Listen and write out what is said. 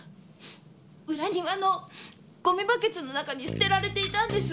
裏庭のゴミバケツの中に捨てられていたんです。